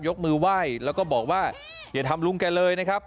ยกมือไหว้แล้วก็บอกว่าอย่าทำลุงแกเลยนะครับ